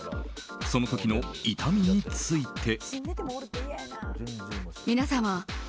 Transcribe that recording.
その時の痛みについて。